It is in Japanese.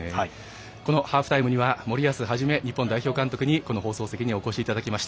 ハーフタイムには森保一日本代表監督にこの放送席にお越しいただきました。